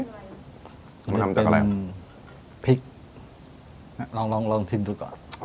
นี่เป็นพริกลองทิมดูก่อน